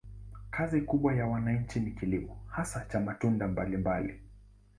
Kazi kubwa ya wananchi ni kilimo, hasa cha matunda mbalimbali.